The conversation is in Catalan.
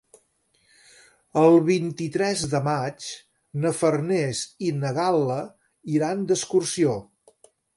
El vint-i-tres de maig na Farners i na Gal·la iran d'excursió.